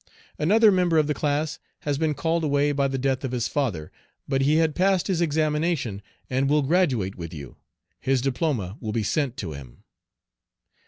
Another member of the class has been called away by the death of his father, but he had passed his examination, and will graduate with you. His diploma will be sent to him.